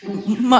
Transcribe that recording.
aku akan datang